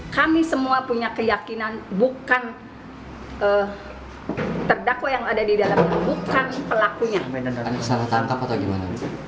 kami semua punya keyakinan bukan terdakwa yang ada di dalam bukan pelakunya